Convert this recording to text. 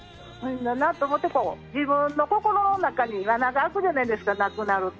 自分の心の中に穴が開くじゃないですか亡くなると。